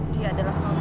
dia adalah fauzan